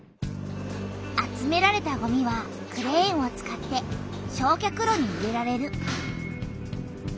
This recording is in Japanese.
集められたごみはクレーンを使って焼却炉に入れられる。